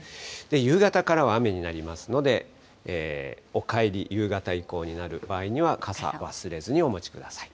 夕方からは雨になりますので、お帰り、夕方以降になる場合には、傘忘れずにお持ちください。